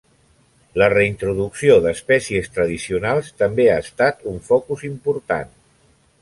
La reintroducció d'espècies tradicionals també ha estat un focus important.